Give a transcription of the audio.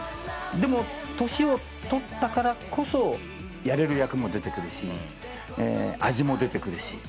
でも年を取ったからこそやれる役も出てくるし味も出てくるし。